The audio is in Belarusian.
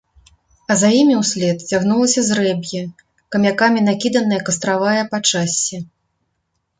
А за імі ўслед цягнулася зрэб'е, камякамі накіданае кастравае пачассе.